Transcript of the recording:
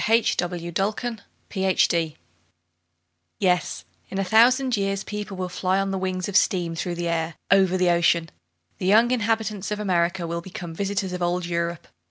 IN A THOUSAND YEARS Yes, in a thousand years people will fly on the wings of steam through the air, over the ocean! The young inhabitants of America will become visitors of old Europe.